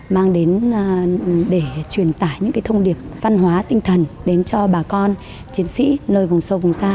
mang đến để truyền tải những thông điệp văn hóa tinh thần đến cho bà con chiến sĩ nơi vùng sâu vùng xa